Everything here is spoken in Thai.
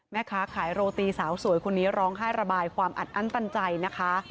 แม่ค้าขายโรตีสาวสวยคนนี้ร้องไห้ระบายความอัดอั้นตันใจนะคะ